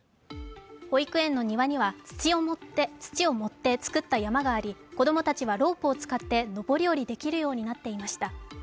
保育園の庭には土を盛って作った山があり、子供たちはロープ使って登り降りできるようになっていました。